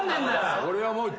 俺はもう。